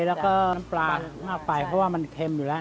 แล้วก็น้ำปลามากไปเพราะว่ามันเค็มอยู่แล้ว